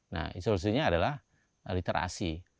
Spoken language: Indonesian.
nah institusinya adalah literasi